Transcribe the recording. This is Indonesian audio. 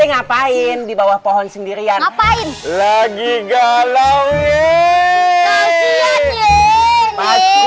ngapain di bawah pohon sendirian ngapain lagi galau